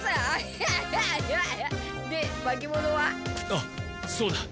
あっそうだ。